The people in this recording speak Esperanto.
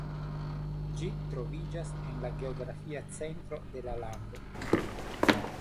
Ĝi troviĝas en la geografia centro de la lando.